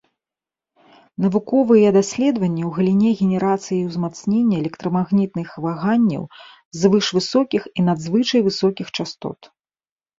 Навуковыя даследаванні ў галіне генерацыі і ўзмацнення электрамагнітных ваганняў звышвысокіх і надзвычай высокіх частот.